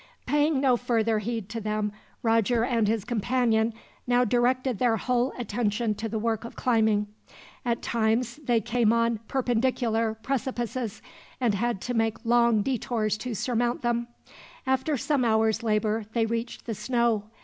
Paying no further heed to them, Roger and his companion now directed their whole attention to the work of climbing. At times they came on perpendicular precipices, and had to make long detours to surmount them. After some hours' labor they reached the snow.